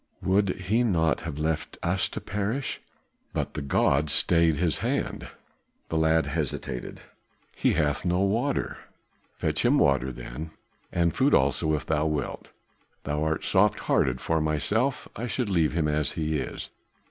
Would he not have left us to perish? But the gods stayed his hand." The lad hesitated. "He hath no water." "Fetch him water then and food also if thou wilt. Thou art soft hearted; for myself I should leave him as he is.